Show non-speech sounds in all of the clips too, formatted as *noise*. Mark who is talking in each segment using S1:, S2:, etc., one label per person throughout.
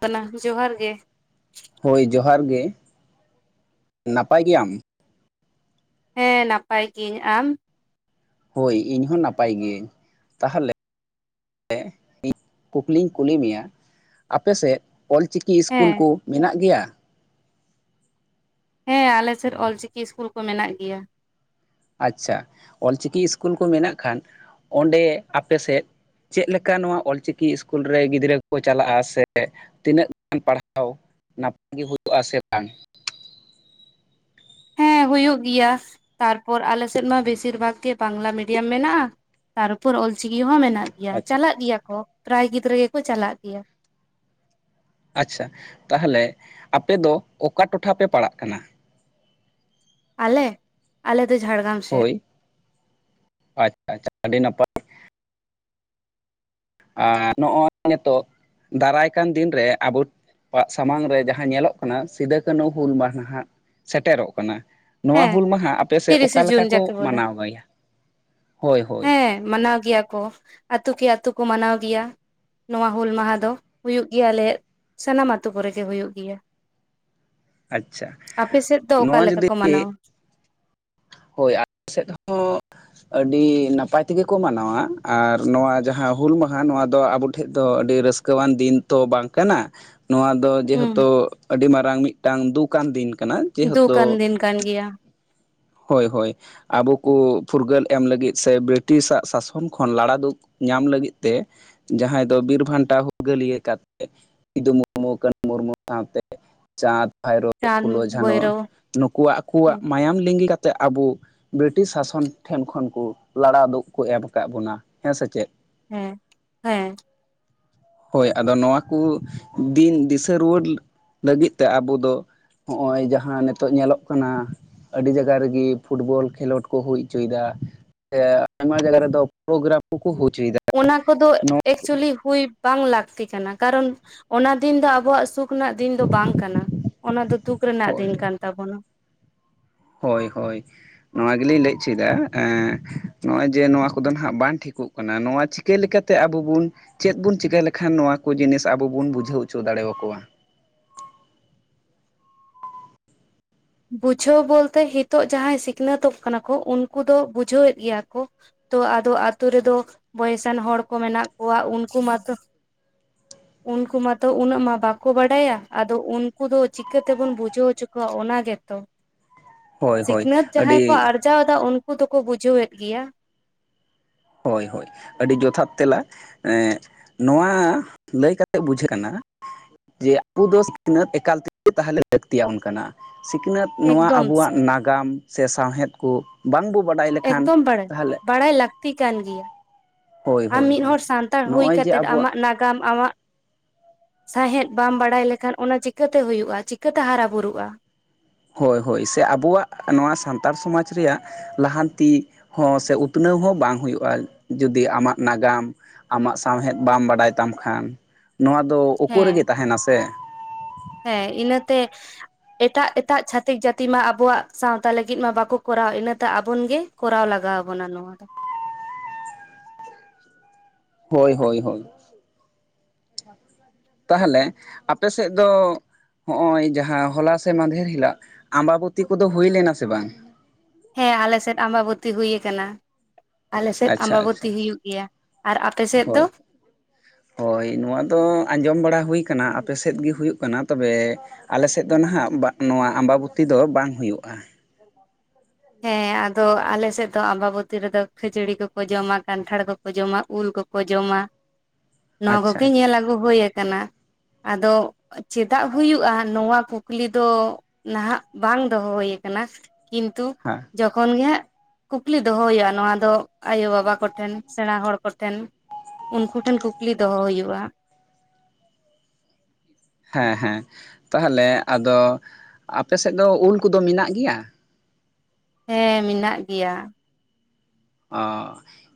S1: ᱠᱟᱱᱟ ᱡᱚᱦᱟᱨ ᱜᱮ᱾
S2: ᱦᱳᱭ ᱡᱚᱦᱟᱨ ᱜᱮ, ᱱᱟᱯᱟᱭ ᱜᱮᱭᱟᱢ?
S1: ᱦᱮᱸ ᱱᱟᱯᱟᱭ ᱜᱤᱧ ᱟᱢ?
S2: ᱦᱳᱭ ᱤᱧ ᱦᱚᱸ ᱱᱟᱯᱟᱭ ᱜᱤᱭᱟᱹᱧ, ᱛᱟᱦᱚᱞᱮ ᱤᱧ ᱠᱩᱠᱞᱤᱧ ᱠᱩᱞᱤ ᱢᱮᱭᱟ ᱟᱯᱮ ᱥᱮᱫ ᱚᱞᱪᱤᱠᱤ ᱤᱥᱠᱩᱞ
S1: ᱦᱮᱸ
S2: ᱠᱚ ᱢᱮᱱᱟᱜ ᱜᱮᱭᱟ?
S1: ᱦᱮᱸ ᱟᱞᱮᱥᱮᱫ ᱚᱞᱪᱤᱠᱤ ᱤᱥᱠᱩᱞ ᱠᱚ ᱢᱮᱱᱟᱜ ᱜᱮᱭᱟ᱾
S2: ᱟᱪᱪᱷᱟ ᱚᱞᱪᱤᱠᱤ ᱤᱥᱠᱩᱞ ᱠᱚ ᱢᱮᱱᱟᱜ ᱠᱷᱟᱱ ᱚᱸᱰᱮ ᱟᱯᱮ ᱥᱮᱫ ᱪᱮᱫ ᱞᱮᱠᱟ ᱱᱚᱣᱟ ᱚᱞᱪᱤᱠᱤ ᱤᱥᱠᱩᱞ ᱨᱮ ᱜᱤᱫᱽᱨᱟᱹ ᱠᱚ ᱠᱚ ᱪᱟᱞᱟᱜᱼᱟ ᱥᱮ ᱛᱤᱱᱟᱹᱜ ᱜᱟᱱ ᱯᱟᱲᱦᱟᱣ ᱱᱟᱯᱟᱭᱮ ᱦᱩᱭᱩᱜ ᱟ ᱥᱮ ᱵᱟᱝ?
S1: ᱦᱮᱸ ᱦᱩᱭᱩᱜ ᱜᱮᱭᱟ ᱛᱟᱨᱯᱚᱨ ᱟᱞᱮᱥᱮᱫ ᱢᱟ ᱵᱮᱥᱤᱨ ᱵᱷᱟᱜ ᱜᱮ ᱵᱟᱝᱞᱟ ᱢᱤᱰᱤᱭᱟᱢ ᱢᱮᱱᱟᱜᱼᱟ᱾ ᱛᱟᱨᱯᱚᱨ ᱚᱞᱪᱤᱠᱤ ᱦᱚᱸ ᱢᱮᱱᱟᱜ ᱜᱮᱭᱟ,
S2: ᱟᱪᱪᱷᱟ
S1: ᱪᱟᱞᱟᱜ ᱜᱮᱭᱟ ᱠᱚ ᱯᱨᱟᱭ ᱜᱤᱫᱽᱨᱟᱹ ᱜᱮᱠᱚ ᱪᱟᱞᱟᱜ ᱜᱮᱭᱟ
S2: ᱟᱪᱪᱷᱟ ᱛᱟᱦᱚᱞᱮ ᱟᱯᱮ ᱫᱚ ᱚᱠᱟ ᱴᱚᱴᱷᱟ ᱯᱮ ᱯᱟᱲᱟᱜ ᱠᱟᱱᱟ?
S1: ᱟᱞᱮ, ᱟᱞᱮ ᱫᱚ ᱡᱷᱟᱲᱜᱨᱟᱢ ᱥᱮᱫ
S2: ᱦᱳᱭ ᱟᱪᱪᱷᱟ ᱟᱪᱪᱷᱟ ᱟᱹᱰᱤ ᱱᱟᱯᱟᱭ᱾ ᱟᱨ ᱱᱚᱜᱼᱚᱭ ᱱᱤᱛᱚᱜ ᱫᱟᱨᱟᱭ ᱠᱟᱱ ᱫᱤᱱᱨᱮ ᱟᱵᱚ ᱠᱚᱭᱟᱜ ᱥᱟᱢᱟᱝ ᱨᱮ ᱡᱟᱦᱟᱸ ᱧᱮᱞᱚᱜ ᱠᱟᱱᱟ ᱥᱤᱫᱩᱼᱠᱟᱱᱦᱩ ᱦᱩᱞ ᱢᱟᱦᱟ ᱦᱟᱜ ᱥᱮᱴᱮᱨᱚᱜ ᱠᱟᱱᱟ᱾ ᱱᱚᱣᱟ
S1: ᱦᱮᱸ
S2: ᱦᱩᱞ ᱢᱟᱦᱟ ᱟᱯᱮ ᱥᱮᱫ
S1: ᱛᱤᱨᱤᱥᱮ
S2: ᱚᱠᱟ
S1: ᱡᱩᱱ
S2: ᱞᱮᱠᱟ ᱠᱚ
S1: ᱡᱟᱠᱮ ᱵᱚᱞᱮ
S2: ᱢᱟᱱᱟᱣ ᱜᱮᱭᱟ ᱾ ᱦᱳᱭ ᱦᱳᱭ
S1: ᱦᱮᱸ ᱢᱟᱱᱟᱣ ᱜᱮᱭᱟ ᱠᱚ ᱟᱛᱳ ᱠᱮ ᱟᱛᱳ ᱠᱚ ᱢᱟᱱᱟᱣ ᱜᱮᱭᱟ᱾ ᱱᱚᱣᱟ ᱦᱩᱞ ᱢᱟᱦᱟ ᱫᱚ ᱦᱩᱭᱩᱜ ᱜᱮᱭᱟ ᱟᱞᱮᱭᱟᱜ ᱥᱟᱱᱟᱢ ᱟᱛᱳ ᱠᱚᱨᱮ ᱜᱮ ᱦᱩᱭᱩᱜ ᱜᱮᱭᱟ᱾
S2: ᱟᱪᱪᱷᱟ
S1: ᱟᱯᱮ ᱥᱮᱫ ᱫᱚ
S2: ᱱᱚᱣᱟ
S1: ᱚᱠᱟᱞᱮᱠᱟ
S2: ᱡᱩᱫᱤ
S1: ᱠᱚ ᱢᱟᱱᱟᱣᱟ?
S2: ᱦᱳᱭ ᱟᱞᱮ ᱥᱮᱫ ᱦᱚᱸ ᱟᱹᱰᱤ ᱱᱟᱯᱟᱭ ᱛᱮᱜᱮ ᱠᱚ ᱢᱟᱱᱟᱣᱟ ᱟᱨ ᱱᱚᱣᱟ ᱡᱟᱦᱟᱸ ᱦᱩᱞ ᱢᱟᱦᱟ ᱱᱚᱣᱟ ᱫᱚ ᱟᱵᱚ ᱴᱷᱮᱡ ᱫᱚ ᱟᱹᱰᱤ ᱨᱟᱹᱥᱠᱟᱹ ᱠᱟᱹᱣᱟᱱ ᱫᱤᱱ ᱛᱚ ᱵᱟᱝ ᱠᱟᱱᱟ, ᱱᱚᱣᱟ ᱫᱚ
S1: ᱦᱩᱸ
S2: ᱡᱮᱦᱮᱛᱩ ᱟᱹᱰᱤ ᱢᱟᱨᱟᱝ ᱢᱤᱫᱴᱟᱝ ᱫᱩᱠᱟᱱ ᱫᱤᱱ ᱠᱟᱱᱟ᱾
S1: ᱫᱩᱠ ᱟᱱ
S2: ᱡᱮᱦᱮᱛᱩ
S1: ᱫᱤᱱ ᱠᱟᱱ ᱜᱮᱭᱟ᱾
S2: ᱦᱳᱭ ᱦᱳᱭ ᱟᱵᱚ ᱠᱚ ᱯᱷᱩᱨᱜᱟᱹᱞ ᱮᱢ ᱞᱟᱹᱜᱤᱫ ᱥᱮ ᱵᱨᱤᱴᱤᱥᱟᱜ ᱥᱟᱥᱚᱱ ᱠᱷᱚᱱ ᱞᱟᱲᱟ ᱫᱩᱠᱷᱼᱼ ᱧᱟᱢ ᱞᱟᱹᱜᱤᱫ ᱛᱮ ᱡᱟᱦᱟᱸᱭ ᱫᱚ ᱵᱤᱨᱵᱷᱟᱱᱴᱟ ᱦᱩᱨᱜᱟᱹᱞᱤᱭᱟᱹ ᱠᱟᱛᱮ ᱥᱤᱫᱩ ᱢᱩᱨᱢᱩ ᱠᱟᱱᱩ ᱢᱩᱨᱢᱩ ᱥᱟᱶᱛᱮ ᱪᱟᱸᱫᱽ ᱵᱷᱟᱭᱨᱳ ᱯᱷᱩᱞᱳ
S1: ᱪᱟᱸᱫ
S2: ᱡᱷᱟᱱᱚ
S1: ᱵᱷᱳᱭᱨᱳ
S2: ᱱᱩᱠᱩᱣᱟᱜ ᱟᱠᱚᱣᱟᱜ ᱢᱟᱭᱟᱢ ᱞᱤᱸᱜᱤ ᱠᱟᱛᱮᱼᱼ ᱼᱼᱛᱮ ᱟᱵᱚ ᱵᱨᱤᱴᱤᱥ ᱥᱟᱥᱚᱱ ᱴᱷᱮᱱ ᱠᱷᱚᱱ ᱠᱚ ᱞᱟᱲᱟᱣ ᱫᱩᱜ ᱠᱚ ᱮᱢ ᱟᱠᱟᱫ ᱵᱚᱱᱟ ᱦᱮᱸ ᱥᱮ ᱪᱮᱫ
S1: ᱦᱮᱸ ᱦᱮᱸ
S2: ᱦᱳᱭ ᱟᱫᱚ ᱱᱚᱣᱟ ᱠᱚ ᱫᱤᱱ ᱫᱤᱥᱟᱹ ᱨᱩᱣᱟᱹᱲ ᱞᱟᱹᱜᱤᱫ ᱛᱮ ᱟᱵᱚ ᱫᱚ ᱦᱸᱚᱜ-ᱚᱭ ᱡᱟᱦᱟᱸ ᱱᱤᱛᱚᱜ ᱧᱮᱞᱚᱜ ᱠᱟᱱᱟ ᱟᱹᱰᱤ ᱡᱟᱭᱜᱟ ᱡᱟᱭᱜᱟ ᱨᱮᱜᱮ ᱯᱷᱩᱴᱵᱚᱞ ᱠᱷᱮᱞᱳᱰ ᱠᱚ ᱦᱩᱭ ᱦᱚᱪᱚᱭᱮᱫᱟ ᱥᱮ ᱟᱭᱢᱟ ᱡᱟᱭᱜᱟ ᱨᱮᱫᱚ ᱯᱨᱳᱜᱨᱟᱢ ᱠᱚᱠᱚ ᱦᱳᱭ ᱦᱚᱪᱚᱭ ᱫᱟ
S1: ᱚᱱᱟ ᱠᱚᱫᱚ ᱮᱠᱪᱩᱭᱮᱞᱤ ᱦᱩᱭ ᱵᱟᱝ ᱞᱟᱹᱠᱛᱤ ᱠᱟᱱᱟ, ᱠᱟᱨᱚᱱ ᱚᱱᱟ ᱫᱤᱱ ᱫᱚ ᱟᱵᱚᱣᱟᱜ ᱥᱩᱠ ᱥᱩᱠ ᱨᱮᱱᱟᱜ ᱫᱤᱱ ᱫᱚ ᱵᱟᱝ ᱠᱟᱱᱟ, ᱚᱱᱟ ᱫᱚ ᱫᱩᱠ ᱨᱮᱱᱟᱜ
S2: ᱦᱳᱭ
S1: ᱫᱤᱱ ᱠᱟᱱ ᱛᱟᱵᱚᱱᱟ᱾
S2: ᱦᱳᱭ ᱦᱳᱭ ᱱᱚᱣᱟ ᱜᱮᱞᱤᱧ ᱞᱟᱹᱭ ᱚᱪᱚᱭ ᱱᱚᱜᱼᱚᱭ ᱡᱮ ᱱᱚᱣᱟ ᱠᱚᱫᱚ ᱱᱟᱦᱟᱜ ᱵᱟᱝ ᱴᱷᱤᱠᱚᱜ ᱠᱟᱱᱟ ᱠᱟᱱᱟ ᱱᱚᱣᱟ ᱪᱤᱠᱟᱹ ᱞᱮᱠᱟᱛᱮ ᱟᱵᱚ ᱵᱚᱱ ᱪᱮᱫ ᱵᱚᱱ ᱪᱤᱠᱟᱹ ᱞᱮᱠᱷᱟᱱ ᱱᱚᱣᱟ ᱠᱚ ᱡᱤᱱᱤᱥ ᱟᱵᱚ ᱵᱚᱱ ᱵᱩᱡᱷᱟᱹᱣ ᱦᱚᱪᱚ ᱫᱟᱲᱮᱭᱟ ᱠᱚᱣᱟ
S1: ᱵᱩᱡᱷᱟᱹᱣ ᱵᱚᱞᱛᱮ ᱱᱤᱛᱚᱜ ᱡᱟᱦᱟᱸᱭ ᱥᱤᱠᱷᱱᱟᱹᱛᱚᱜ ᱠᱟᱱᱟ ᱠᱚ ᱩᱱᱠᱩ ᱫᱚ ᱵᱩᱡᱷᱟᱹᱣᱮᱫ ᱜᱮᱭᱟ ᱠᱚ᱾ ᱛᱚ ᱟᱫᱚ ᱟᱛᱳ ᱨᱮᱫᱚ ᱵᱚᱭᱮᱥᱟᱱ ᱦᱚᱲ ᱠᱚ ᱢᱮᱱᱟᱜ ᱠᱚᱣᱟ ᱩᱱᱠᱩ ᱢᱟᱛᱚ ᱩᱱᱠᱩ ᱢᱟᱛᱚ ᱩᱱᱟᱹᱜ ᱢᱟ ᱵᱟᱠᱚ ᱵᱟᱰᱟᱭᱟ ᱟᱫᱚ ᱩᱱᱠᱩ ᱫᱚ ᱪᱤᱠᱟᱹ ᱛᱮᱵᱩᱱ ᱵᱩᱡᱷᱟᱹᱣ ᱦᱚᱪᱚ ᱠᱚᱣᱟ ᱚᱱᱟ ᱜᱮᱛᱚ
S2: ᱦᱳᱭ ᱦᱳᱭ
S1: ᱥᱤᱠᱷᱱᱟᱹᱛ ᱡᱟᱦᱟᱸᱭ ᱠᱚ
S2: ᱟᱹᱰᱤ
S1: ᱟᱨᱡᱟᱣ ᱫᱟ ᱩᱱᱠᱩ ᱫᱚᱠᱚ ᱵᱩᱡᱷᱟᱹᱣᱮᱫ ᱜᱮᱭᱟ᱾
S2: ᱦᱳᱭ ᱦᱳᱭ ᱟᱹᱰᱤ ᱡᱚᱛᱷᱟᱛ ᱛᱮᱞᱟ ᱮ ᱱᱚᱣᱟ ᱞᱟᱹᱭ ᱠᱟᱛᱮᱫ ᱵᱩᱡᱷᱟᱹᱜ ᱠᱟᱱᱟ ᱡᱮ ᱟᱵᱩ ᱫᱚ ᱥᱤᱠᱷᱱᱟᱹᱛ ᱮᱠᱟᱞ ᱛᱮᱜᱮ ᱞᱟᱹᱠᱛᱤᱭᱟ ᱵᱚᱱ ᱠᱟᱱᱟ ᱥᱤᱠᱷᱱᱟᱹᱛ ᱱᱚᱣᱟ
S1: ᱮᱠᱫᱚᱢ
S2: ᱟᱵᱚᱣᱟᱜ ᱱᱟᱜᱟᱢ ᱥᱮ ᱥᱟᱶᱦᱮᱫ ᱠᱚ ᱵᱟᱝᱵᱚ ᱵᱟᱰᱟᱭ ᱞᱮᱠᱷᱟᱱ
S1: ᱮᱠᱫᱚᱢ ᱵᱟᱲᱟᱭ
S2: ᱛᱟᱦᱚᱞᱮ
S1: ᱵᱟᱲᱟᱭ ᱞᱟᱹᱠᱛᱤ ᱠᱟᱱ ᱜᱮᱭᱟ
S2: ᱦᱳᱭ
S1: ᱟᱢ
S2: ᱦᱳᱭ
S1: ᱢᱤᱫ
S2: ᱦᱳᱭ
S1: ᱦᱚᱲ ᱥᱟᱱᱛᱟᱲ ᱦᱩᱭ
S2: ᱱᱚᱜᱼᱚᱭ ᱡᱮ
S1: ᱠᱟᱛᱮᱜ
S2: ᱟᱵᱚᱣᱟᱜ
S1: ᱟᱢᱟᱜ ᱱᱟᱜᱟᱢ ᱟᱢᱟᱜ ᱥᱟᱶᱦᱮᱫ ᱵᱟᱢ ᱵᱟᱲᱟᱭ ᱞᱮᱠᱷᱟᱱ ᱚᱱᱟ ᱪᱤᱠᱟᱹᱛᱮ ᱦᱩᱭᱩᱜᱭᱼᱟ ᱪᱤᱠᱟᱹᱛᱮ ᱦᱟᱨᱟ ᱵᱩᱨᱩᱜᱼᱟ᱾
S2: ᱦᱳᱭ ᱦᱳᱭ ᱥᱮ ᱟᱵᱚᱣᱟᱜ ᱱᱚᱣᱟ ᱥᱟᱱᱛᱟᱲ ᱥᱚᱢᱟᱡᱽ ᱨᱮᱭᱟᱜ ᱞᱟᱦᱟᱱᱛᱤ ᱦᱚᱸ ᱥᱮ ᱩᱛᱱᱟᱹᱣ ᱦᱚᱸ ᱵᱟᱝ ᱦᱩᱭᱩᱜᱼᱟ ᱡᱩᱫᱤ ᱟᱢᱟᱜ ᱱᱟᱜᱟᱢ ᱟᱢᱟᱜ ᱥᱟᱶᱦᱮᱫ ᱵᱟᱢ ᱵᱟᱰᱟᱭ ᱛᱟᱢ ᱠᱷᱟᱱ ᱱᱚᱣᱟ ᱫᱚ ᱳᱠ ᱨᱮᱜᱮ
S1: ᱦᱮᱸ
S2: ᱛᱟᱦᱮᱱᱟ ᱥᱮ
S1: ᱦᱮᱸ ᱤᱱᱟᱹᱛᱮ ᱮᱴᱟᱜ ᱮᱴᱟᱜ ᱪᱷᱟᱹᱛᱤᱠ ᱡᱟᱹᱛᱤ ᱢᱟ ᱟᱵᱚᱣᱟᱜ ᱥᱟᱶᱛᱟ ᱞᱟᱹᱜᱤᱫ ᱢᱟ ᱵᱟᱠᱚ ᱠᱚᱨᱟᱣᱟ ᱤᱱᱟᱹᱛᱮ ᱟᱵᱚᱱ ᱜᱮ ᱠᱚᱨᱟᱣ ᱞᱟᱜᱟᱣ ᱟᱵᱚᱱᱟ ᱱᱚᱣᱟ ᱫᱚ᱾
S2: ᱦᱳᱭ ᱦᱳᱭ ᱦᱳᱭ᱾ *unintelligible* ᱛᱟᱦᱚᱞᱮ ᱟᱯᱮ ᱥᱮᱫ ᱫᱚ ᱦᱚᱜ-ᱚᱭ ᱡᱟᱦᱟᱸ ᱦᱚᱞᱟ ᱥᱮ ᱢᱟᱫᱷᱮᱨ ᱦᱤᱞᱳᱜ ᱟᱢᱵᱟᱵᱚᱛᱤ ᱠᱚᱫᱚ ᱦᱩᱭ ᱞᱮᱱᱟ ᱥᱮ ᱵᱟᱝ?
S1: ᱦᱮᱸ ᱟᱞᱮᱥᱮᱫ ᱟᱢᱵᱟᱵᱚᱛᱤ ᱦᱩᱭ ᱟᱠᱟᱱᱟ, ᱟᱞᱮᱥᱮᱫ
S2: ᱟᱪᱪᱷᱟ
S1: ᱟᱢᱵᱟᱵᱚᱛᱤ
S2: ᱟᱪᱪᱷᱟ
S1: ᱦᱩᱭᱩᱜ ᱜᱮᱭᱟ ᱟᱨ ᱟᱯ ᱟᱯᱮᱥᱮᱫ ᱫᱚ
S2: ᱦᱳᱭ ᱦᱳᱭ ᱱᱚᱣᱟ ᱫᱚ ᱟᱸᱡᱚᱢ ᱵᱟᱲᱟ ᱦᱩᱭ ᱟᱠᱟᱱᱟ ᱟᱯᱮᱥᱮᱫ ᱜᱮ ᱦᱩᱭᱩᱜ ᱠᱟᱱᱟ ᱛᱚᱵᱮ ᱟᱞᱮ ᱥᱮᱫ ᱫᱚ ᱱᱟᱦᱟᱜ ᱱᱚᱣᱟ ᱟᱢᱵᱟᱵᱩᱛᱤ ᱫᱚ ᱵᱟᱝ ᱦᱩᱭᱩᱜ-ᱟ᱾
S1: ᱦᱮᱸ ᱟᱫᱚ ᱟᱞᱮᱥᱮᱫ ᱫᱚ ᱟᱢᱵᱟᱵᱚᱛᱤ ᱨᱮᱫᱚ ᱠᱷᱟᱹᱡᱟᱹᱲᱤ ᱠᱚᱠᱚ ᱡᱚᱢᱟ, ᱠᱟᱱᱴᱷᱟᱲ ᱠᱚᱠᱚ ᱡᱚᱢᱟ, ᱩᱞ ᱠᱚᱠᱚ ᱠᱚ ᱡᱚᱢᱟ ᱱᱚᱣᱟ ᱠᱚᱜᱮ
S2: ᱟᱪᱪᱷᱟ ᱟᱪᱪᱷᱟ
S1: ᱧᱮᱞ ᱟᱹᱜᱩ ᱦᱩᱭ ᱟᱠᱟᱱᱟ ᱟᱫᱚ ᱪᱮᱫᱟᱜ ᱦᱩᱭᱩᱜ-ᱟ ᱱᱚᱣᱟ ᱠᱩᱠᱞᱤ ᱫᱚ ᱱᱟᱦᱟᱜ ᱵᱟᱝ ᱫᱚᱦᱚ ᱦᱩᱭ‌ ᱟᱠᱟᱱᱟ᱾ ᱠᱤᱱᱛᱩ
S2: ᱦᱮᱸ
S1: ᱡᱚᱠᱷᱚᱱ ᱜᱮᱦᱟᱜ ᱠᱩᱠᱞᱤ ᱫᱚᱦᱚ ᱦᱩᱭᱩᱜ-ᱟ ᱱᱚᱣᱟ ᱫᱚ ᱟᱭᱳ ᱵᱟᱵᱟ ᱠᱚᱴᱷᱮᱱ ᱥᱮᱬᱟ ᱦᱚᱲ ᱠᱚᱴᱷᱮᱱ᱾ ᱩᱱᱠᱩ ᱴᱷᱮᱱ ᱠᱩᱠᱞᱤ ᱫᱚᱦᱚ ᱦᱩᱭᱩᱜ-ᱟ᱾
S2: ᱦᱮᱸ ᱦᱮᱸ ᱛᱟᱦᱚᱞᱮ ᱟᱫᱚ ᱟᱯᱮᱥᱮᱫ ᱫᱚ ᱩᱞ ᱠᱚᱫᱚ ᱢᱤᱱᱟᱜ ᱜᱮᱭᱟ?
S1: ᱦᱮᱸ ᱢᱮᱱᱟᱜ ᱜᱮᱭᱟ᱾
S2: ᱚ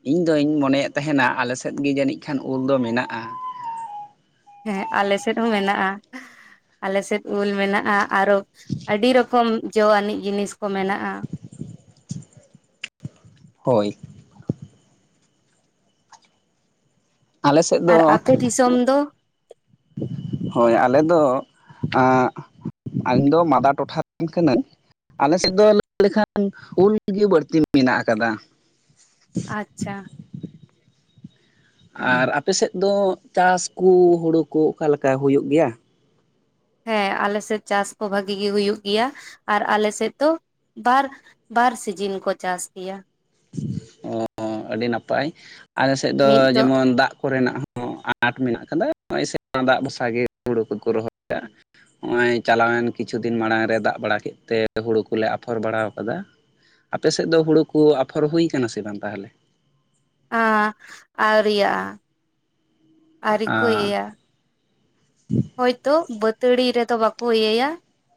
S2: ᱤᱧ ᱫᱩᱧ ᱢᱚᱱᱮᱭᱮᱫ ᱛᱟᱦᱮᱱᱟ ᱟᱞᱮ ᱥᱮᱫ ᱜᱮ ᱡᱟᱹᱱᱤᱡ ᱠᱷᱟᱱ ᱩᱞ ᱫᱚ ᱢᱮᱱᱟᱜ-ᱟ᱾
S1: ᱦᱮᱸ ᱟᱞᱮ ᱥᱮᱫ ᱦᱚᱸ ᱢᱮᱱᱟᱜ-ᱟ ᱟᱞᱮ ᱥᱮᱫ ᱩᱞ ᱢᱮᱱᱟᱜ-ᱟ᱾ ᱟᱨᱚ ᱟᱹᱰᱤ ᱨᱚᱠᱚᱢ ᱡᱚ ᱟᱹᱱᱤᱡ ᱡᱤᱱᱤᱥ ᱠᱚ ᱢᱮᱱᱟᱜ-ᱟ᱾
S2: ᱦᱳᱭ ᱟᱞᱮ ᱥᱮᱫ ᱫᱚ
S1: ᱟᱨ ᱟᱯᱮ ᱫᱤᱥᱚᱢ ᱫᱚ *unintelligible*
S2: ᱦᱳᱭ ᱟᱞᱮ ᱫᱚ ᱤᱧᱫᱚ ᱢᱟᱫᱟ ᱴᱚᱴᱷᱟ ᱨᱮᱱ ᱠᱟᱹᱱᱟᱹᱧ᱾ ᱟᱞᱮ ᱥᱮᱫ ᱫᱚ ᱞᱟᱹᱭ ᱞᱮᱠᱷᱟᱱ ᱩᱞᱜᱮ ᱵᱟᱹᱲᱛᱤ ᱢᱮᱱᱟᱜ ᱟᱠᱟᱫᱟ᱾
S1: ᱟᱪᱪᱷᱟ
S2: ᱟᱨ ᱟᱯᱮᱥᱮᱫ ᱫᱚ ᱪᱟᱥ ᱠᱚ ᱦᱩᱲᱩ ᱠᱚ ᱚᱠᱟᱞᱮᱠᱟ ᱦᱩᱭᱩᱜ ᱜᱮᱭᱟ?
S1: ᱦᱮᱸ ᱟᱞᱮ ᱥᱮᱫ ᱪᱟᱥ ᱠᱚ ᱵᱷᱟᱹᱜᱤ ᱜᱮ ᱦᱩᱭᱩᱜ ᱜᱮᱭᱟ ᱟᱨ ᱟᱞᱮ ᱥᱮᱫ ᱫᱚ ᱵᱟᱨ ᱵᱟᱨ ᱥᱤᱡᱤᱱ ᱠᱚ ᱪᱟᱥ ᱜᱮᱭᱟ᱾
S2: ᱚᱻ ᱟᱹᱰᱤ ᱱᱟᱯᱟᱭ ᱟᱞᱮ ᱥᱮᱫ ᱫᱚ ᱡᱮᱢᱚᱱ ᱫᱟᱜ ᱠᱚᱨᱮᱱᱟᱜ ᱦᱚᱸ ᱟᱸᱴ ᱢᱮᱱᱟᱜ ᱠᱟᱫᱟ ᱦᱚᱜ-ᱚᱭ ᱥᱮ ᱫᱟᱜ ᱵᱷᱚᱨᱥᱟ ᱜᱮ ᱦᱩᱲᱩ ᱠᱚᱠᱚ ᱨᱚᱦᱚᱭᱟ᱾ ᱱᱚᱜ-ᱚᱭ ᱪᱟᱞᱟᱣᱮᱱ ᱠᱤᱪᱷᱩ ᱫᱤᱱ ᱢᱟᱲᱟᱝ ᱨᱮ ᱫᱟᱜ ᱵᱟᱲᱟ ᱠᱮᱫ ᱛᱮ ᱦᱩᱲᱩ ᱠᱚᱞᱮ ᱟᱯᱷᱚᱨ ᱵᱟᱲᱟ ᱟᱠᱟᱫᱟ᱾ ᱟᱯᱮ ᱥᱮᱫ ᱫᱚ ᱦᱩᱲᱩ ᱠᱚ ᱟᱯᱷᱚᱨ ᱦᱩᱭ ᱠᱟᱱᱟ ᱥᱮ ᱵᱟᱝ ᱛᱟᱦᱚᱞᱮ?
S1: ᱟᱻ ᱟᱹᱣᱨᱤᱭᱟᱜ-ᱟ ᱟᱣᱨᱤ ᱠᱚ
S2: ᱟᱸ
S1: ᱤᱭᱟᱹᱭᱟ᱾ ᱦᱚᱭᱛᱚ ᱵᱟᱹᱛᱟᱹᱲᱤ ᱨᱮᱫᱚ ᱵᱟᱠᱚ ᱤᱭᱟᱹᱭᱟ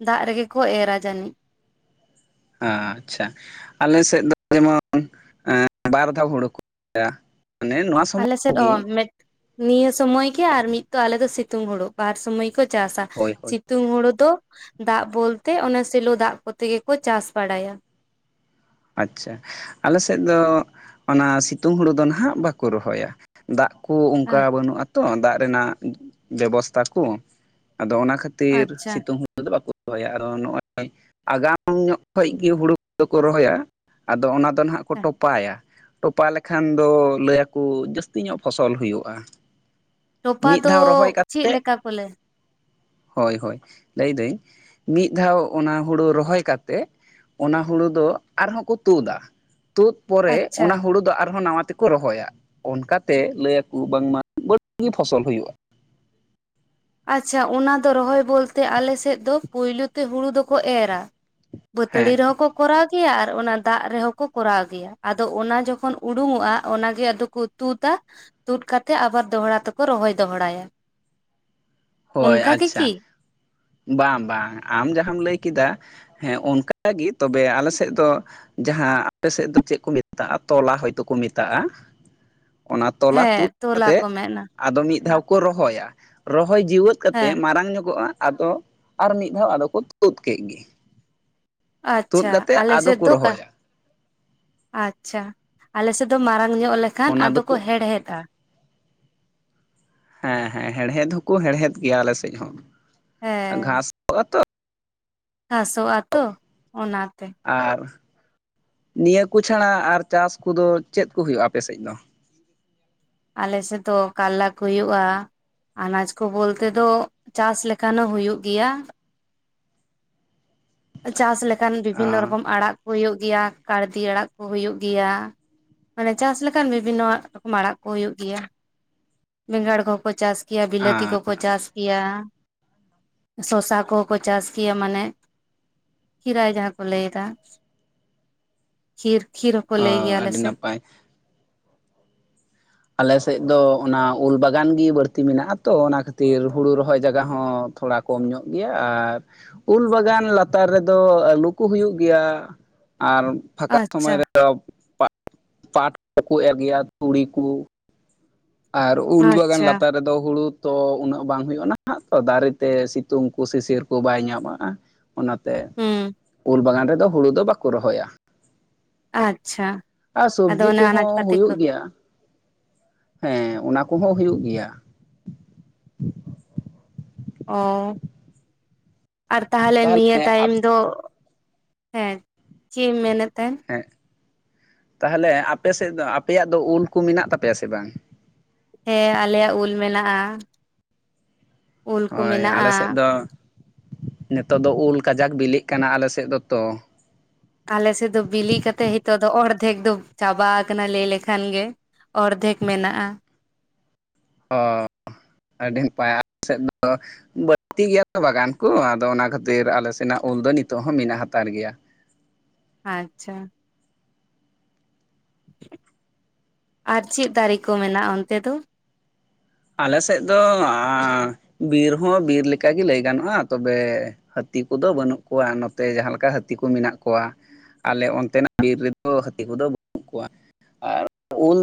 S1: ᱫᱟᱜ ᱨᱮᱜᱮ ᱠᱚ ᱮᱨᱟ ᱡᱟᱹᱱᱤᱡ᱾
S2: ᱟᱪᱪᱷᱟ ᱟᱞᱮ ᱥᱮᱫ ᱫᱚ ᱡᱮᱢᱚᱱ ᱵᱟᱨ ᱫᱷᱟᱣ ᱦᱩᱲᱩ ᱠᱚ ᱢᱟᱱᱮ ᱱᱚᱣᱟ ᱥᱚᱢᱚᱭ
S1: ᱟᱞᱮᱥᱮᱫ ᱚ
S2: ᱜᱮ
S1: *unintelligible* ᱱᱤᱭᱟᱹ ᱥᱩᱢᱚᱭ ᱜᱮ ᱟᱨ ᱢᱤᱫᱚ ᱟᱞᱮ ᱫᱚ ᱥᱤᱛᱩᱝ ᱦᱩᱲᱩ ᱵᱟᱨ ᱥᱚᱢᱚᱭ ᱠᱚ ᱪᱟᱥᱟ ᱥᱤ
S2: ᱦᱳᱭ ᱦᱳᱭ
S1: ᱥᱤᱛᱩᱝ ᱦᱳᱲᱳ ᱫᱚ ᱫᱟᱜ ᱵᱚᱞᱛᱮ ᱚᱱᱟ ᱥᱮᱞᱳ ᱫᱟᱜ ᱠᱚᱛᱮ ᱜᱮᱠᱚ ᱪᱟᱥ ᱵᱟᱲᱟᱭᱟ
S2: ᱟᱪᱪᱷᱟ ᱟᱞᱮ ᱥᱮᱫ ᱫᱚ ᱚᱱᱟ ᱥᱤᱛᱩᱝ ᱦᱩᱲᱩ ᱫᱚ ᱱᱟᱦᱟᱜ ᱵᱟᱠᱚ ᱨᱚᱦᱚᱭᱟ ᱫᱟᱜ ᱠᱚ ᱚᱱᱠᱟ ᱵᱟᱹᱱᱩᱜ ᱟᱛ ᱛᱚ ᱫᱟᱜ ᱨᱮᱱᱟᱜ ᱵᱮᱵᱚᱥᱛᱟ ᱠᱚ ᱟᱫᱚ ᱚᱱᱟ ᱠᱷᱟᱹᱛᱤᱨ
S1: ᱟᱪᱪᱷᱟ
S2: ᱥᱤᱛᱩᱝ ᱩᱱᱟᱜ ᱫᱚ ᱵᱟᱠᱚ ᱨᱚᱦᱚᱭᱟ ᱟᱫᱚ ᱱᱚᱜ-ᱚᱭ ᱟᱜᱟᱢ ᱧᱚᱜ ᱠᱷᱚᱱ ᱜᱮ ᱦᱩᱲᱩ ᱠᱚᱫᱚ ᱠᱚ ᱨᱚᱦᱚᱭᱟ ᱟᱫᱚ ᱚᱱᱟ ᱫᱚ ᱱᱟᱦᱟᱸᱜ ᱠᱚ
S1: ᱦᱮᱸ
S2: ᱴᱚᱯᱟᱭᱟ ᱴᱚᱯᱟ ᱞᱮᱠᱷᱟᱱ ᱫᱚ ᱞᱟᱹᱭᱟᱠᱚ ᱡᱟᱹᱥᱛᱤ ᱧᱚᱜ ᱯᱷᱚᱥᱚᱞ ᱦᱩᱭᱩᱜ-ᱟ᱾
S1: ᱴᱚᱯᱟ ᱫᱚ ᱪᱮᱫ ᱞᱮᱠᱟ ᱠᱚ ᱞᱟᱹᱭᱟ
S2: ᱦᱳᱭ ᱦᱳᱭ ᱞᱟᱹᱭᱫᱟᱹᱧ ᱢᱤᱫ ᱫᱷᱟᱣ ᱚᱱᱟ ᱦᱩᱲᱩ ᱨᱚᱦᱚᱭ ᱠᱟᱛᱮᱫ ᱚᱱᱟ ᱦᱩᱲᱩ ᱫᱚ ᱟᱨᱦᱚᱸ ᱠᱚ ᱛᱩᱫᱟ ᱛᱩᱫ ᱯᱚᱨᱮ
S1: ᱟᱪᱪᱷᱟ
S2: ᱚᱱᱟ ᱦᱩᱲᱩ ᱫᱚ ᱟᱨᱦᱚᱸ ᱱᱟᱣᱟ ᱛᱮᱠᱚ ᱠᱚ ᱨᱚᱦᱚᱭᱟ ᱚᱱᱠᱟᱛᱮ ᱞᱟᱹᱭᱟᱠᱚ ᱵᱟᱝᱢᱟ ᱵᱟᱹᱲᱛᱤ ᱜᱮ ᱯᱷᱚᱥᱚᱞ ᱦᱩᱭᱩᱜ-ᱟ᱾
S1: ᱟᱪᱪᱷᱟ ᱚᱱᱟ ᱫᱚ ᱨᱚᱦᱚᱭ ᱵᱚᱞᱛᱮ ᱟᱞᱮᱥᱮᱫ ᱫᱚ ᱯᱩᱭᱞᱩ ᱛᱮ ᱦᱩᱲᱩ ᱫᱚᱠᱚ ᱮᱨᱟ ᱵᱷᱟᱹᱛᱟᱹᱲᱤ
S2: ᱦᱮᱸ
S1: ᱨᱮᱦᱚᱸ ᱠᱚ ᱠᱚᱨᱟᱣ ᱜᱮᱭᱟ ᱟᱨ ᱚᱱᱟ ᱫᱟᱜ ᱨᱮᱦᱚᱸ ᱠᱚ ᱠᱚᱨᱟᱣ ᱜᱮᱭᱟ ᱟᱫᱚ ᱚᱱᱟ ᱡᱚᱠᱷᱚᱱ ᱩᱰᱩᱠᱚᱜᱼᱟ ᱚᱱᱟᱜᱮ ᱟᱫᱚ ᱠᱚ ᱛᱩᱫᱟ ᱛᱩᱫ ᱠᱟᱛᱮᱜ ᱟᱵᱟᱨ ᱫᱚᱦᱲᱟ ᱛᱮᱠᱚ ᱨᱚᱦᱚᱭ ᱫᱚᱦᱲᱟᱭᱟ᱾
S2: ᱦᱳᱭ
S1: ᱚᱱᱠᱟ ᱜᱮ
S2: ᱟᱪᱪᱷᱟ
S1: ᱠᱤ
S2: ᱵᱟᱝ ᱵᱟᱝ ᱟᱢ ᱡᱟᱦᱟᱸᱢ ᱞᱟᱹᱭ ᱠᱮᱫᱟ᱾ ᱦᱮᱸ ᱚᱱᱠᱟᱜᱮ ᱛᱚᱵᱮ ᱟᱞᱮ ᱥᱮᱫ ᱫᱚ ᱡᱟᱦᱟᱸ ᱟᱯᱮ ᱥᱮᱫ ᱫᱚ ᱪᱮᱫ ᱠᱚ ᱢᱮᱛᱟᱜᱼᱟ ᱛᱚᱞᱟ ᱦᱚᱭᱛᱳ ᱠᱚ ᱢᱮᱛᱟᱜᱼᱟ᱾ ᱚᱱᱟ ᱛᱚᱞᱟ ᱛᱩᱫ
S1: ᱦᱮᱸ ᱛᱚᱞᱟ ᱠᱚ
S2: ᱠᱟᱛᱮᱜ
S1: ᱢᱮᱱᱟ
S2: ᱟᱫᱚ ᱢᱤᱫ ᱫᱷᱟᱣ ᱠᱚ ᱨᱚᱦᱚᱭᱟ ᱦᱚᱭ ᱡᱤᱣᱮᱫ
S1: ᱦᱮᱸ
S2: ᱠᱟᱛᱮᱫ ᱢᱟᱨᱟᱝ ᱧᱚᱜᱚᱜᱼᱟ ᱟᱫᱚ ᱟᱨ ᱢᱤᱫ ᱫᱷᱟᱣ ᱟᱫᱚ ᱠᱚ ᱛᱩᱫ ᱠᱮᱫ ᱜᱮ ᱛᱩᱫ
S1: ᱟᱪᱪᱷᱟ
S2: ᱠᱟᱛᱮᱫ
S1: ᱟᱞᱮ
S2: ᱟᱫᱚ
S1: ᱥᱮᱫ
S2: ᱠᱚ
S1: ᱫᱚ ᱠᱟ
S2: ᱨᱚᱦᱚᱭᱟ᱾
S1: ᱟᱪᱪᱷᱟ ᱟᱞᱮ ᱥᱮᱫ ᱫᱚ ᱢᱟᱨᱟᱝ ᱧᱚᱜ ᱞᱮᱠᱷᱟᱱ
S2: ᱚᱱᱟ
S1: ᱟᱫᱚ ᱠᱚ
S2: ᱫᱚᱠᱚ
S1: ᱦᱮᱲᱦᱮᱫᱼᱟ᱾
S2: ᱦᱮᱸ ᱦᱮᱸ ᱦᱮᱲᱦᱮᱫ ᱦᱚᱸᱠᱚ ᱦᱮᱲᱦᱮᱫ ᱜᱮᱭᱟ ᱟᱞᱮ ᱥᱮᱫ ᱦᱚᱸ ᱜᱷᱟᱥ ᱟᱛᱚ
S1: ᱜᱷᱟᱥᱚᱜ ᱟᱛᱚ ᱚᱱᱟᱛᱮ
S2: ᱟᱨ ᱱᱤᱭᱟᱹ ᱠᱚ ᱪᱷᱟᱲᱟ ᱟᱨ ᱪᱟᱥ ᱠᱚᱫᱚ ᱪᱮᱫ ᱠᱚ ᱦᱩᱭᱩᱜᱼᱟ ᱟᱯᱮᱥᱮᱫ ᱫᱚ
S1: ᱟᱞᱮᱥᱮᱫ ᱫᱚ ᱠᱟᱨᱞᱟ ᱠᱚ ᱦᱩᱭᱩᱜᱼᱟ᱾ ᱟᱱᱟᱡ ᱠᱚ ᱵᱚᱞᱛᱮ ᱫᱚ ᱪᱟᱥ ᱞᱮᱠᱷᱟᱱ ᱦᱚᱸ ᱦᱳᱭᱳᱜ ᱜᱮᱭᱟ᱾ ᱪᱟᱥ ᱞᱮᱠᱷᱟᱱ ᱵᱤᱵᱷᱤᱱᱱᱚ ᱨᱚᱠᱚᱢ ᱟᱲᱟᱜ ᱠᱚ ᱦᱩᱭᱩᱜ ᱜᱮᱭᱟ ᱠᱟᱲᱫᱤ ᱟᱲᱟᱜ ᱠᱚ ᱦᱩᱭᱩᱜ ᱜᱮᱭᱟ᱾ ᱢᱟᱱᱮ ᱪᱟᱥ ᱞᱮᱠᱷᱟᱱ ᱵᱤᱵᱷᱤᱱᱱᱚᱣᱟᱜ ᱟᱲᱟᱜ ᱠᱚ ᱦᱩᱭᱩᱜ ᱜᱮᱭᱟ ᱾ᱵᱮᱸᱜᱟᱲ ᱠᱚᱦᱚᱸ ᱠᱚ ᱪᱟᱥ ᱜᱮᱭᱟ‍᱾ ᱠᱮᱭᱟ ᱵᱤᱞᱟᱹᱛᱤ ᱠᱚᱠᱚ ᱪᱟᱥ ᱠᱮᱭᱟ᱾ ᱥᱚᱥᱟ ᱠᱚᱦᱚᱸ ᱠᱚ ᱪᱟᱥ ᱜᱮᱭᱟ ᱢᱟᱱᱮ ᱠᱷᱤᱨᱟᱭ ᱡᱟᱦᱟᱸ ᱠᱚ ᱞᱟᱹᱭ ᱮᱫᱟ᱾ ᱠᱷᱤᱨ ᱠᱷᱤᱨ ᱦᱚᱸᱠᱚ ᱞᱟᱹᱭ ᱜᱮᱭᱟ
S2: ᱟᱹᱰᱤ
S1: ᱟᱞᱮᱥᱮᱱ
S2: ᱱᱟᱯᱟᱭ ᱟᱞᱮᱥᱮᱫ ᱫᱚ ᱚᱱᱟ ᱩᱞ ᱵᱟᱜᱟᱱ ᱜᱮ ᱵᱟᱹᱲᱛᱤ ᱢᱮᱱᱟᱜᱼᱟ ᱟ ᱛᱚ ᱚᱱᱟ ᱠᱷᱟᱹᱛᱤᱨ ᱦᱩᱲᱩ ᱨᱚᱦᱚᱭ ᱡᱟᱭᱜᱟ ᱦᱚᱸ ᱛᱷᱚᱲᱟ ᱠᱚᱢ ᱧᱚᱜ ᱜᱮᱭᱟ᱾ ᱟᱨ ᱩᱞ ᱵᱟᱜᱟᱱ ᱞᱟᱛᱟᱨ ᱨᱮᱫᱚ ᱟᱹᱞᱩ ᱠᱚ ᱦᱩᱭᱩᱜ ᱜᱮᱭᱟ᱾ ᱟᱨ ᱯᱷᱟᱠᱟ ᱥᱚᱢᱚᱭ
S1: ᱟᱪᱪᱷᱟ
S2: ᱨᱮᱫᱚ ᱯᱟ ᱯᱟᱴ ᱠᱚᱠᱚ ᱮᱨ ᱜᱮᱭᱟ ᱛᱩᱲᱤ ᱠᱚ ᱟᱨ ᱩᱞ ᱵᱟᱜᱟᱱ
S1: ᱟᱪᱪᱷᱟ
S2: ᱞᱟᱛᱟᱨ ᱨᱮᱫᱚ ᱦᱩᱲᱩ ᱛᱚ ᱩᱱᱟᱹᱜ ᱵᱟᱝ ᱦᱩᱭᱩᱜᱼᱟ ᱱᱟᱦᱟᱜ ᱛᱚ ᱫᱟᱨᱮᱛᱮ ᱥᱤᱛᱩᱝ ᱠᱚ ᱥᱤᱥᱤᱨ ᱠᱚ ᱵᱟᱭ ᱧᱟᱢᱟᱜᱼᱟ᱾ ᱚᱱᱟᱛᱮ
S1: ᱦᱩᱸ
S2: ᱩᱞ ᱵᱟᱜᱟᱱ ᱨᱮᱫᱚ ᱦᱩᱲᱩ ᱫᱚ ᱵᱟᱠᱚ ᱨᱚᱦᱚᱭᱟ᱾
S1: ᱟᱪᱪᱷᱟ
S2: ᱟᱨ
S1: ᱟᱫᱚ
S2: ᱥᱚᱵᱡᱤ
S1: ᱚᱱᱟ ᱟᱱᱟᱡ
S2: ᱠᱚᱦᱚᱸ
S1: ᱯᱟᱹᱛᱤ
S2: ᱦᱩᱭᱩᱜ
S1: ᱠᱚ
S2: ᱜᱮᱭᱟ᱾ ᱦᱮᱸ ᱚᱱᱟ ᱠᱚᱦᱚᱸ ᱦᱩᱭᱩᱜ ᱜᱮᱭᱟ᱾
S1: ᱚ ᱟᱨ ᱛᱟᱦᱞᱮ ᱱᱤᱭᱟᱹ
S2: ᱛᱟᱦᱚᱞᱮ
S1: ᱴᱟᱭᱤᱢ ᱫᱚ ᱦᱮᱸ ᱪᱮᱫ ᱮᱢ ᱢᱮᱱᱮᱫ ᱛᱟᱦᱮᱱ
S2: ᱦᱮᱸ ᱛᱟᱦᱚᱞᱮ ᱟᱯᱮ ᱥᱮᱫ ᱫᱚ ᱟᱯᱮᱭᱟᱜ ᱫᱚ ᱩᱞ ᱠᱚ ᱢᱮᱱᱟᱜ ᱛᱟᱯᱮᱭᱟ ᱥᱮ ᱵᱟᱝ
S1: ᱦᱮᱸ ᱟᱞᱮᱭᱟᱜ ᱩᱞ ᱢᱮᱱᱟᱜᱼᱟ᱾ ᱩᱞ ᱠᱚ ᱢᱮᱱᱟᱜᱼᱟ᱾
S2: ᱱᱤᱛᱳᱜ ᱫᱚ ᱩᱞ ᱠᱟᱡᱟᱠ ᱵᱤᱞᱤᱜ ᱠᱟᱱᱟ ᱟᱞᱮ ᱥᱮᱫ ᱫᱚᱛᱚ
S1: ᱟᱞᱮ ᱥᱮᱫ ᱫᱚ ᱵᱤᱞᱤ ᱠᱟᱛᱮᱜ ᱱᱤᱛᱚᱜ ᱫᱚ ᱚᱨᱫᱷᱮᱠ ᱫᱚ ᱪᱟᱵᱟ ᱟᱠᱟᱱᱟ ᱞᱟᱹᱭ ᱞᱮᱠᱷᱟᱱ ᱜᱮ ᱚᱨᱫᱷᱮᱠ ᱢᱮᱱᱟᱜᱼᱟ᱾
S2: ᱚ ᱟᱹᱰᱤ ᱱᱟᱯᱟᱭ *unintelligible* ᱟᱞᱮ ᱥᱮᱫ ᱫᱚ ᱵᱟᱹᱲᱛᱤ ᱜᱮᱭᱟ ᱛᱚ ᱵᱟᱜᱟᱱ ᱠᱚ ᱟᱫᱚ ᱚᱱᱟ ᱠᱷᱟᱹᱛᱤᱨ ᱟᱞᱮ ᱥᱮᱱᱟᱜ ᱩᱞ ᱫᱚ ᱱᱤᱛᱚᱜ ᱦᱚᱸ ᱢᱮᱱᱟᱜ ᱦᱟᱛᱟᱲ ᱜᱮᱭᱟ᱾
S1: ᱟᱪᱪᱷᱟ ᱟᱨ ᱪᱮᱫ ᱫᱟᱨᱮ ᱠᱚ ᱢᱮᱱᱟᱜᱼᱟ ᱚᱱᱛᱮ ᱫᱚ?
S2: ᱟᱞᱮᱥᱮᱫ ᱫᱚ ᱟᱸᱻ ᱵᱤᱨ ᱦᱚᱸ ᱵᱤᱨ ᱞᱮᱠᱟᱜᱮ ᱞᱟᱹᱭ ᱜᱟᱱᱚᱜᱼᱟ ᱛᱚᱵᱮ ᱦᱟᱹᱛᱤ ᱠᱚᱫᱚ ᱵᱟᱹᱱᱩᱜ ᱠᱚᱣᱟ ᱱᱚᱛᱮ ᱡᱟᱦᱟᱸ ᱞᱮᱠᱟ ᱦᱟᱹᱛᱤ ᱠᱚ ᱢᱮᱱᱟᱜ ᱠᱚᱣᱟ᱾ ᱟᱞᱮ ᱚᱱᱛᱮᱱᱟᱜ ᱵᱤᱨ ᱨᱮ ᱫᱚ ᱦᱟᱹᱛᱤ ᱠᱚ ᱫᱚ ᱵᱟᱹᱱᱩᱜ ᱠᱚᱣᱟ᱾ ᱟᱨ ᱩᱞ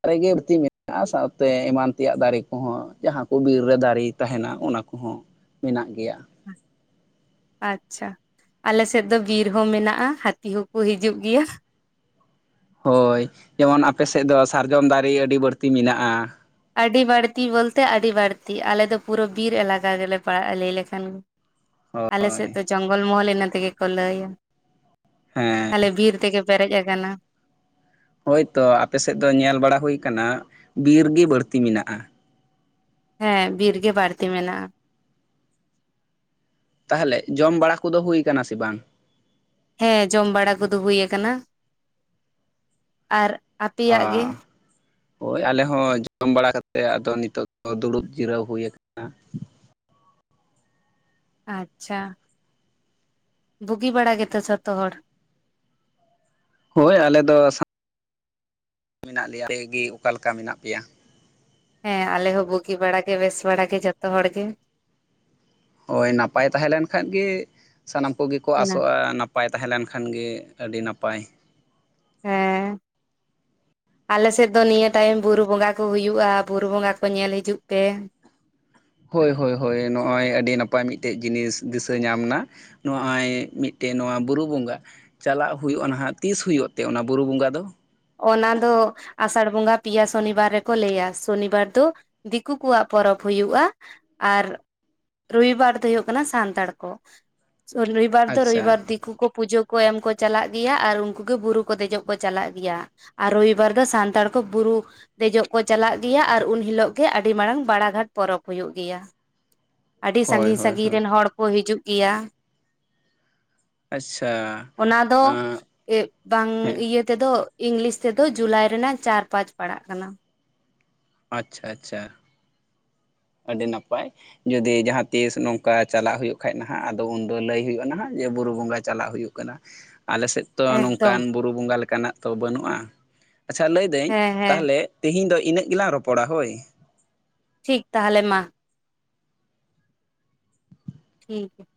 S2: ᱫᱟᱨᱮ ᱜᱮ ᱵᱟᱹᱲᱛᱤ ᱢᱮᱱᱟᱜᱼᱟ ᱥᱟᱶᱛᱮ ᱮᱢᱟᱱ ᱛᱮᱭᱟᱜ ᱫᱟᱨᱮ ᱠᱚᱦᱚᱸ ᱡᱟᱦᱟᱸ ᱠᱚ ᱜᱤ ᱵᱤᱨ ᱨᱮ ᱫᱟᱨᱮ ᱛᱟᱦᱮᱱᱟ ᱚᱱᱟ ᱠᱚᱦᱚᱸ ᱢᱮᱱᱟᱜ ᱜᱮᱭᱟ᱾
S1: ᱦᱮᱸ *unintelligible* ᱟᱪᱼᱪᱷᱟ ᱟᱞᱮ ᱥᱮᱫ ᱫᱚ ᱵᱤᱨ ᱦᱚᱸ ᱢᱮᱱᱟᱜᱼᱟ ᱦᱟᱹᱛᱤ ᱦᱚᱸᱠᱚ ᱦᱤᱡᱩᱜ ᱜᱮᱭᱟ᱾
S2: ᱦᱳᱭ ᱡᱮᱢᱚᱱ ᱟᱯᱮ ᱥᱮᱫ ᱫᱚ ᱥᱟᱨᱡᱚᱢ ᱫᱟᱨᱮ ᱟᱹᱰᱤ ᱵᱟᱹᱲᱛᱤ ᱢᱮᱱᱟᱜᱼᱟ᱾
S1: ᱟᱹᱰᱤ ᱵᱟᱹᱲᱛᱤ ᱵᱚᱞᱼᱛᱮ ᱟᱹᱰᱤ ᱵᱟᱹᱲᱛᱤ ᱟᱞᱮ ᱫᱚ ᱯᱩᱨᱟᱹ ᱵᱤᱨ ᱮᱞᱟᱠᱟ ᱜᱮ ᱞᱮ ᱯᱟᱲᱟᱜᱼᱟ ᱞᱟᱹᱭ ᱞᱮᱠᱷᱟᱱ ᱜᱮ ᱟᱞᱮ ᱥᱮᱫ ᱫᱚ
S2: ᱦᱳᱭ
S1: ᱡᱚᱝᱜᱚᱞ ᱢᱚᱦᱚᱞ ᱤᱱᱟᱹ ᱛᱮ ᱜᱮ ᱠᱚ ᱞᱟᱹᱭᱟ᱾
S2: ᱦᱮᱸ
S1: ᱟᱞᱮ ᱵᱤᱨ ᱛᱮ ᱜᱮ ᱯᱮᱨᱮᱡ ᱟᱠᱟᱱᱟ᱾
S2: ᱦᱳᱭᱛᱚ ᱟᱯᱮᱥᱮᱫ ᱫᱚ ᱧᱮᱞ ᱵᱟᱲᱟ ᱦᱩᱭᱩᱭᱟ ᱟᱠᱟᱱᱟ, ᱵᱤᱨ ᱜᱤ ᱵᱟᱹᱲᱛᱤ ᱢᱮᱱᱟᱜᱼᱟ᱾
S1: ᱦᱮᱸ ᱵᱤᱨ ᱜᱤ ᱵᱟᱹᱲᱛᱤ ᱢᱮᱱᱟᱜᱼᱟ᱾
S2: ᱛᱟᱦᱚᱞᱮ ᱡᱚᱢ ᱵᱟᱲᱟ ᱠᱚ ᱫᱚ ᱦᱩᱭ ᱟᱠᱟᱱᱟ ᱥᱮ ᱵᱟᱝ?
S1: ᱦᱮᱸ ᱡᱚᱢ ᱵᱟᱲᱟ ᱠᱚ ᱫᱚ ᱦᱩᱭ ᱟᱠᱟᱱᱟ ᱟᱨ
S2: ᱟᱼ
S1: ᱟᱯᱮᱭᱟᱜ ᱜᱮ
S2: ᱦᱳᱭ ᱟᱞᱮ ᱦᱚᱸ ᱡᱚᱢ ᱵᱟᱲᱟ ᱠᱟᱛᱮᱫ ᱟᱫᱚ ᱱᱤᱛᱚᱜ ᱫᱚ ᱫᱩᱲᱩᱵ ᱡᱤᱨᱟᱹᱣ ᱦᱩᱭᱩ ᱟᱠᱟᱱᱟ᱾
S1: ᱟᱪᱪᱷᱟ, ᱵᱩᱜᱤ ᱵᱟᱲᱟ ᱜᱮᱛᱚ ᱡᱷᱚᱛᱚ ᱦᱚᱲ?
S2: ᱦᱳᱭ ᱟᱞᱮ ᱫᱚ ᱥᱟᱸ ᱢᱮᱱᱟᱜ ᱞᱮᱭᱟ ᱟᱯᱮ ᱜᱮ ᱚᱠᱟᱞᱮᱠᱟ ᱢᱮᱱᱟᱜ ᱯᱮᱭᱟ?
S1: ᱦᱮᱸ ᱟᱞᱮ ᱦᱚᱸ ᱵᱩᱜᱤ ᱵᱟᱲᱟᱜ ᱜᱮ, ᱵᱮᱥ ᱵᱟᱲᱟᱜ ᱜᱮ ᱡᱚᱛᱚ ᱦᱚᱲ ᱜᱮ᱾
S2: ᱦᱳᱭ ᱱᱟᱯᱟᱭ ᱛᱟᱦᱮᱸ ᱞᱮᱱ ᱠᱷᱟᱱ ᱜᱮ ᱥᱟᱱᱟᱢ ᱠᱚᱜᱮ ᱠᱚ
S1: ᱚᱱᱟ
S2: ᱟᱥᱚᱜᱼᱟ ᱱᱟᱯᱟᱭ ᱛᱟᱦᱮᱸ ᱞᱮᱱ ᱠᱷᱟᱱ ᱜᱤ ᱟᱹᱰᱤ ᱱᱟᱯᱟᱭ
S1: ᱦᱮᱸᱻ ᱟᱞᱮ ᱥᱮᱫ ᱫᱚ ᱱᱤᱭᱟᱹ ᱴᱟᱭᱤᱢ ᱵᱩᱨᱩ ᱵᱚᱸᱜᱟ ᱠᱚ ᱦᱩᱭᱩᱜᱼᱟ ᱵᱩᱨᱩ ᱵᱚᱸᱜᱟ ᱠᱚ ᱧᱮᱞ ᱦᱤᱡᱩᱜ ᱯᱮ
S2: ᱦᱳᱭ, ᱦᱳᱭ, ᱦᱳᱭ ᱱᱚᱜᱼᱚᱭ ᱟᱹᱰᱤ ᱱᱟᱯᱟᱭ ᱢᱤᱫᱴᱮᱡ ᱡᱤᱱᱤᱥ ᱫᱤᱥᱟᱹ ᱧᱟᱢᱱᱟ ᱱᱚᱜᱼᱚᱭ ᱢᱤᱫ ᱴᱮᱱ ᱱᱚᱣᱟ ᱵᱩᱨᱩ ᱵᱚᱸᱜᱟ ᱪᱟᱞᱟᱜ ᱦᱩᱭᱩᱜᱼᱟ ᱱᱟᱦᱟᱜ ᱛᱤᱥ ᱦᱩᱭᱩᱜ ᱛᱮ ᱚᱱᱟ ᱵᱩᱨᱩ ᱵᱚᱸᱜᱟ ᱫᱚ?
S1: ᱚᱱᱟ ᱫᱚ ᱟᱥᱟᱲ ᱵᱚᱸᱜᱟ ᱯᱮᱭᱟ ᱥᱚᱱᱤᱵᱟᱨ ᱨᱮᱠᱚ ᱞᱟᱹᱭᱟ ᱥᱚᱱᱤᱵᱟᱨ ᱫᱚ ᱫᱤᱠᱩ ᱠᱚᱣᱟᱜ ᱯᱚᱨᱚᱵᱽ ᱦᱩᱭᱩᱜᱼᱟ ᱟᱨ ᱨᱚᱵᱤᱵᱟᱨ ᱫᱚ ᱦᱩᱭᱩᱜ ᱠᱟᱱᱟ ᱥᱟᱱᱛᱟᱲ ᱠᱚ *unintelligible* ᱚᱵᱤᱵᱟᱨ ᱫᱚ
S2: ᱟᱪᱪᱷᱟ
S1: ᱨᱚᱵᱤᱵᱟᱨ ᱫᱤᱠᱩ ᱠᱚ ᱯᱩᱡᱟᱹ ᱠᱚ ᱮᱢ ᱠᱚ ᱪᱟᱞᱟᱜ ᱜᱮᱭᱟ ᱟᱨ ᱩᱱᱠᱩ ᱜᱮ ᱵᱩᱨᱩ ᱠᱚ ᱫᱮᱡᱚᱜ ᱠᱚ ᱪᱟᱞᱟᱜ ᱜᱮᱭᱟ ᱟᱨ ᱨᱳᱵᱤ ᱵᱟᱨ ᱫᱚ ᱥᱟᱱᱛᱟᱲ ᱠᱚ ᱵᱩᱨᱩ ᱫᱮᱡᱚᱜ ᱠᱚ ᱪᱟᱞᱟᱜ ᱜᱮᱭᱟ ᱟᱨ ᱩᱱ ᱦᱤᱞᱳᱜ ᱜᱮ ᱟᱹᱰᱤ ᱢᱟᱨᱟᱝ ᱵᱟᱲᱟ ᱜᱷᱟᱴ ᱯᱚᱨᱚᱵᱽ ᱦᱩᱭᱩᱜ ᱜᱮᱭᱟ᱾ ᱟᱹᱰᱤ
S2: ᱦᱳᱭ
S1: ᱥᱟᱹᱜᱤᱧ
S2: ᱦᱳᱭ
S1: ᱥᱟᱹᱜᱤᱧ
S2: ᱦᱳᱭ
S1: ᱨᱮᱱ ᱦᱚᱲ ᱠᱚ ᱦᱤᱡᱩᱜ ᱜᱮᱭᱟ
S2: ᱟᱪᱪᱷᱟ
S1: ᱚᱱᱟ ᱫᱚ ᱤᱷᱼᱵᱟᱝ
S2: ᱦᱮᱸ
S1: ᱤᱭᱟᱹ *unintelligible* ᱛᱮ ᱫᱚ ᱤᱝᱞᱤᱥ ᱛᱮᱫᱚ ᱡᱩᱞᱟᱭ ᱨᱮᱱᱟᱜ ᱪᱟᱨ, ᱯᱟᱸᱪ ᱯᱟᱲᱟᱜ ᱠᱟᱱᱟ
S2: ᱟᱪᱪᱷᱟᱼᱟᱪᱪᱷᱟ ᱟᱹᱰᱤ ᱱᱟᱯᱟᱭ ᱡᱩᱫᱤ ᱡᱟᱦᱟᱸ ᱛᱤᱥ ᱱᱚᱝᱠᱟ ᱪᱟᱞᱟᱜ ᱦᱩᱭᱩᱜ ᱠᱷᱟᱡ ᱱᱟᱦᱟᱜ ᱟᱫᱚ ᱩᱱᱫᱚ ᱞᱟᱹᱭ ᱦᱩᱭᱩᱜᱼᱟ ᱱᱟᱦᱟᱜ ᱡᱮ ᱵᱩᱨᱩ ᱵᱚᱸᱜᱟ ᱪᱟᱞᱟᱜ ᱦᱩᱭᱩᱜ ᱠᱟᱱᱟ ᱟᱞᱮ ᱥᱮᱫ ᱛᱚ
S1: ᱮᱠᱫᱚᱢ
S2: ᱱᱚᱝᱠᱟᱱ ᱵᱩᱨᱩ ᱵᱚᱸᱜᱟ ᱞᱮᱠᱟᱱᱟᱜ ᱛᱚ ᱵᱟᱹᱱᱩᱜᱼᱟ ᱟᱪᱪᱷᱟ ᱞᱟᱹᱭ ᱫᱟᱹᱧ
S1: ᱦᱮᱸ ᱦᱮᱸ
S2: ᱛᱟᱦᱚᱞᱮ ᱛᱤᱦᱤᱧ ᱫᱚ ᱤᱱᱟᱹᱜ ᱜᱮᱞᱟᱝ ᱨᱚᱯᱚᱲᱟ ᱦᱳᱭ
S1: ᱴᱷᱤᱠ ᱛᱟᱦᱞᱮ ᱢᱟ ᱴᱷᱤᱠ *unintelligible*